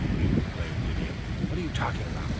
An " "You blamed idiot! What are you talking about?"